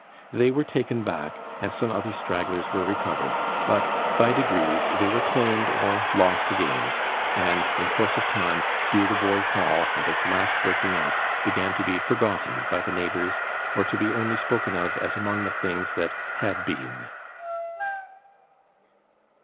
They were taken back, and some other stragglers were recovered, but by degrees they were claimed, or lost again; and, in course of time, Dotheboys Hall and its last breaking up began to be forgotten by the neighbours, or to be only spoken of as among the things that had been.